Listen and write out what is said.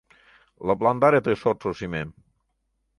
Лыпландаре тый шортшо шӱмем.